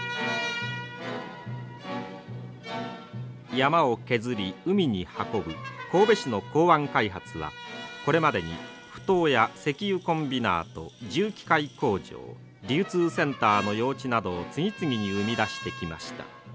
山を削り海に運ぶ神戸市の港湾開発はこれまでにふ頭や石油コンビナート重機械工場流通センターの用地などを次々に生み出してきました。